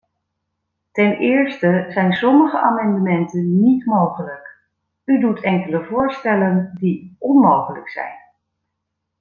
Ten eerste zijn sommige amendementen niet mogelijk; u doet enkele voorstellen die onmogelijk zijn.